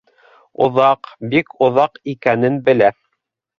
Оҙаҡ, бик оҙаҡ икәнен белә.